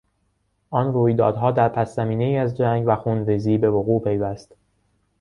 آن رویدادها در پسزمینهای از جنگ و خونریزی به وقوع پیوست.